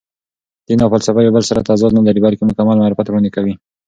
دین او فلسفه یو بل سره تضاد نه لري، بلکې مکمل معرفت وړاندې کوي.